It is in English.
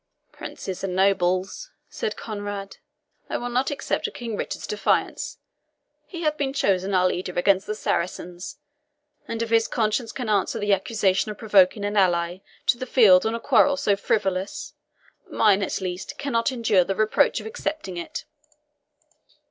"Princes and nobles," said Conrade, "I will not accept of King Richard's defiance. He hath been chosen our leader against the Saracens, and if his conscience can answer the accusation of provoking an ally to the field on a quarrel so frivolous, mine, at least, cannot endure the reproach of accepting it.